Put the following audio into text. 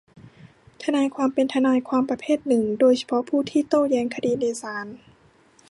ทนายความเป็นทนายความประเภทหนึ่งโดยเฉพาะผู้ที่โต้แย้งคดีในศาล